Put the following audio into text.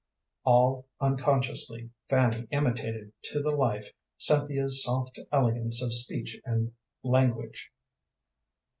All unconsciously Fanny imitated to the life Cynthia's soft elegance of speech and language.